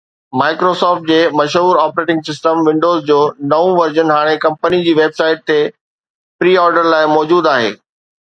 Microsoft جي مشهور operating system Windows جو نئون ورزن هاڻي ڪمپني جي ويب سائيٽ تي پري آرڊر لاءِ موجود آهي